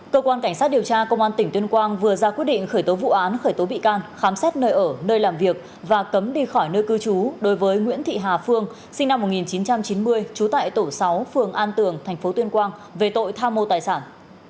cơ quan cảnh sát điều tra công an tỉnh tuyên quang vừa ra quyết định khởi tố vụ án khởi tố bị can khám xét nơi ở nơi làm việc và cấm đi khỏi nơi cư trú đối với nguyễn thị hà phương sinh năm một nghìn chín trăm chín mươi trú tại tổ sáu phường an tường tp tuyên quang về tội tham mô tài sản